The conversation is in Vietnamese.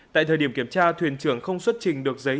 tại thời điểm kiểm tra thuyền trưởng không xuất trình được giấy